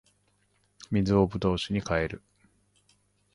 水を葡萄酒に変える